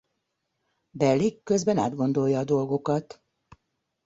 Bellick közben átgondolja a dolgokat.